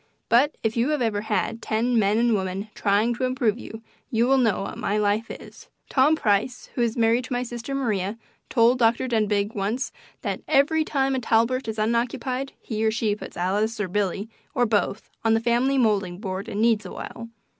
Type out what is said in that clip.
But if you have ever had ten men and women trying to improve you, you will know what my life is. Tom Price, who married my sister Maria, told Dr. Denbigh once that "every time a Talbert is unoccupied he or she puts Alice or Billy, or both, on the family moulding board and kneads awhile."